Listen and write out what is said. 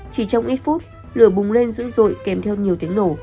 chỉ trong ít phút lửa bùng lên dữ dội kèm theo nhiều tiếng nổ